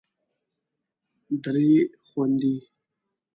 درې خوندې